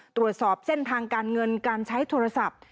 ตรวจสอบเส้นทางการเงินการใช้โทรศัพท์